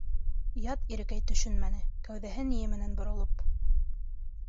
Ят ирекәй төшөнмәне, кәүҙәһе-ние менән боролоп